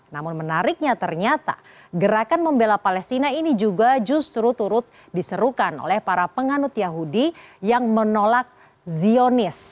namun menariknya ternyata gerakan membela palestina ini juga justru turut diserukan oleh para penganut yahudi yang menolak zionis